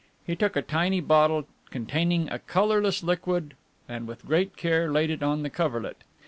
He took a tiny bottle containing a colourless liquid, and with great care laid it on the coverlet.